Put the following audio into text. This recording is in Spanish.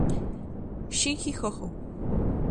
Shinji Jojo